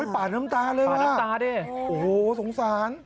ป่านน้ำตาเลยค่ะโอ้โฮสงสารสงสาร